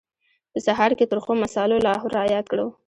په سهار کې ترخو مسالو لاهور را یاد کړو.